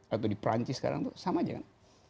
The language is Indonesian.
atau di perancis sekarang tuh sama aja kan